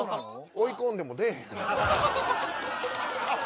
追い込んでも出えへんやろあっ